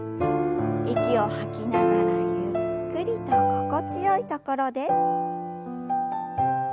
息を吐きながらゆっくりと心地よい所で。